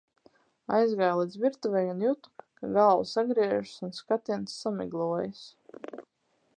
Aizgāju līdz virtuvei un jutu, ka galva sagriežas un skatiens samiglojas.